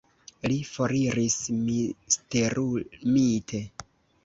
Li foriris, misterumite.